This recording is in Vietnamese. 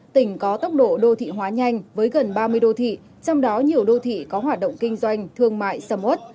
tỉnh có tốc độ đô thị hóa nhanh với gần ba mươi đô thị trong đó nhiều đô thị có hoạt động kinh doanh thương mại sầm ớt